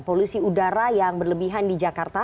polusi udara yang berlebihan di jakarta